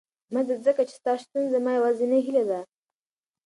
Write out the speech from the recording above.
مه ځه، ځکه چې ستا شتون زما یوازینۍ هیله ده.